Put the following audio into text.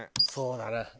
そうだな。